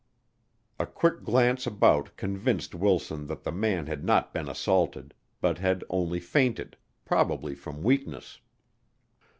A quick glance about convinced Wilson that the man had not been assaulted, but had only fainted, probably from weakness.